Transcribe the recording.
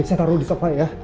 bisa taruh di sofa ya